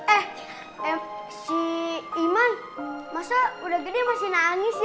eh si iman masa udah gede masih nangis sih